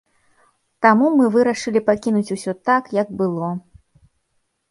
Таму мы вырашылі пакінуць усё так, як было.